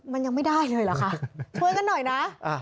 มันยังไม่ได้เลยเหรอคะช่วยกันหน่อยนะ